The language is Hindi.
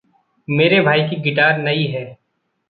मेरे भाई की गिटार नई है।